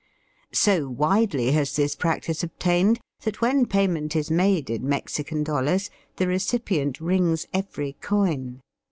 So widely has this practice obtained, that when payment is made in Mexican dollars the recipient rings every coin.